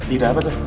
ide apa tuh